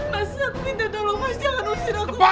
mas aku minta tolong jangan rusuk aku